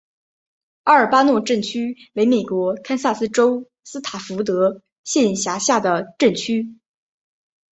阿尔巴诺镇区为美国堪萨斯州斯塔福德县辖下的镇区。